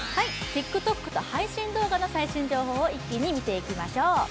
ＴｉｋＴｏｋと配信動画の最新情報を一気に見ていきましょう。